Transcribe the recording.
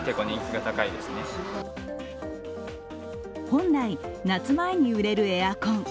本来、夏前に売れるエアコン。